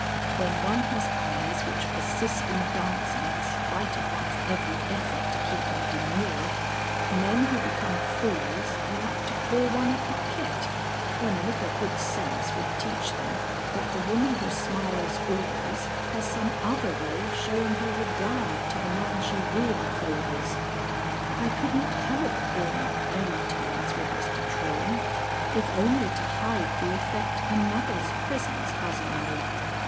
When one has eyes which persist in dancing in spite of one's every effort to keep them demure, men who become fools are apt to call one a coquette, when a little good sense would teach them that the woman who smiles always has some other way of showing her regard to the man she really favors. I could not help being on merry terms with Mr. Trohm, if only to hide the effect another's presence has on me.